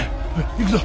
行くぞ。